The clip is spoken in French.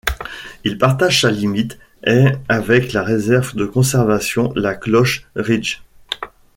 Il partage sa limite est avec la réserve de conservation La Cloche Ridge.